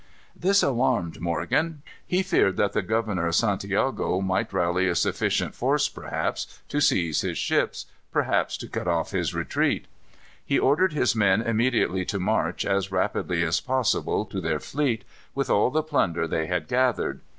This alarmed Morgan. He feared that the governor of Santiago might rally a sufficient force perhaps to seize his ships, perhaps to cut off his retreat. He ordered his men immediately to march, as rapidly as possible, to their fleet, with all the plunder they had gathered.